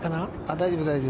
大丈夫、大丈夫。